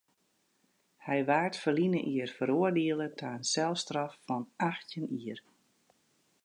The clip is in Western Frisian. Hy waard ferline jier feroardiele ta in selstraf fan achttjin jier.